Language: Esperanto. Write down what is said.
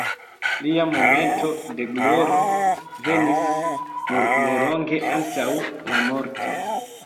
Lia momento de gloro venis nur nelonge antaŭ la morto.